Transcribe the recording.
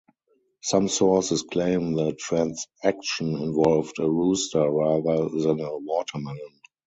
Some sources claim the transaction involved a rooster rather than a watermelon.